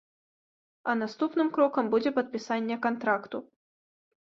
А наступным крокам будзе падпісанне кантракту.